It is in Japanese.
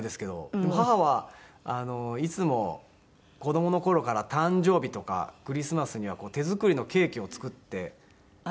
でも母はいつも子どもの頃から誕生日とかクリスマスには手作りのケーキを作ってくれていたので。